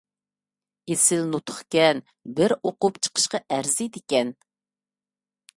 ئېسىل نۇتۇقكەن، بىر ئوقۇپ چىقىشقا ئەرزىيدىكەن.